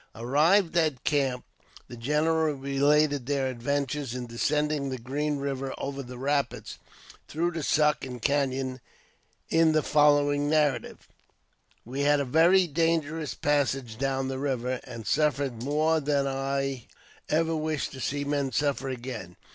Arrived at camp, the general related their adventures in descending the Green Eiver over the rapids, through the Suck and canon, in the following narrative :" We had a very dangerous passage down the river, and suffered more than I ever wish to see men suffer again.